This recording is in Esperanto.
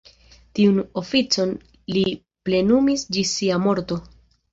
Tiun oficon li plenumis ĝis sia morto.